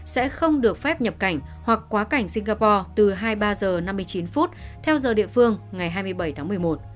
sẽ không được phép nhập cảnh hoặc quá cảnh singapore từ hai mươi ba h năm mươi chín theo giờ địa phương ngày hai mươi bảy tháng một mươi một